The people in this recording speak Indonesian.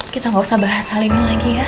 kita gak usah bahas hal ini lagi ya